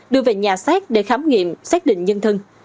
đưa về nhà xác để khám nghiệm xác định nhân thân